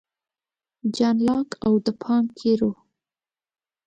جان لاک او د پانګې روح